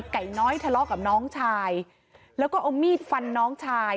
ไก่น้อยทะเลาะกับน้องชายแล้วก็เอามีดฟันน้องชาย